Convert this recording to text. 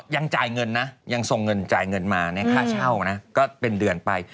ส่งเงินจ่ายเงินมาค่าเช่าก็เป็นเดือนไป